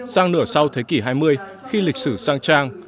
sang nửa sau thế kỷ hai mươi khi lịch sử sang trang